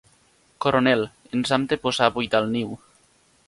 Coronel, ens hem de posar a buidar el niu.